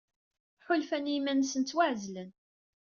Ḥulfan i yiman-nsen ttwaɛezlen.